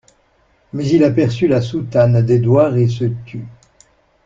Mais il aperçut la soutane d'Édouard et se tut.